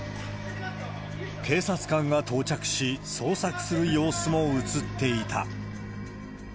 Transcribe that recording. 警察官が到着し、捜索する様子も映っていた。